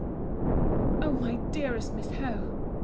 O MY DEAREST MISS HOWE!